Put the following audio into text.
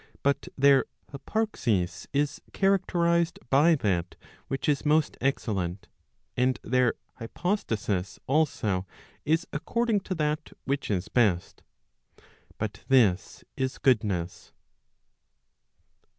But their hyparxis is characterized by that which is most excellent, and their hypostasis also is according to that which is best. But this is goodness.